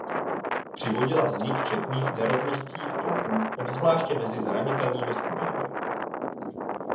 Přivodila vznik četných nerovností a tlaků, obzvláště mezi zranitelnými skupinami.